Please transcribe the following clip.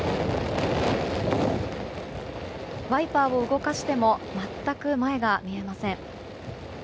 ワイパーを動かしても全く前が見えません。